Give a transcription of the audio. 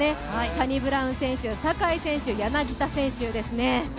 サニブラウン選手、坂井選手、柳田選手ですよね。